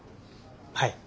はい。